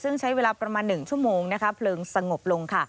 ซึ่งใช้เวลาประมาณ๑ชั่วโมงเพลิงสงบลงค่ะ